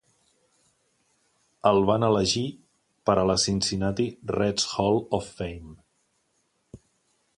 El van elegir per a la Cincinnati Reds Hall of Fame.